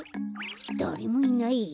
だれもいないや。